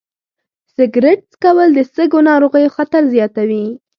سګرټ څکول د سږو ناروغیو خطر زیاتوي.